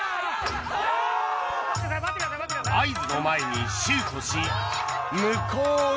合図の前にシュートし無効に